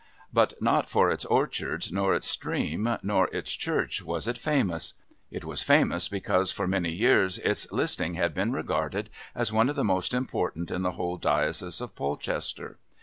But not for its orchards nor its stream nor its church was it famous. It was famous because for many years its listing had been regarded as one of the most important in the whole diocese of Polchester.